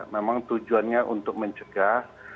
memang tujuannya untuk mencegah